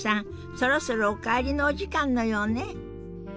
そろそろお帰りのお時間のようね。